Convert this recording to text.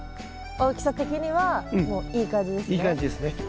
大きさ的にはもういい感じですね。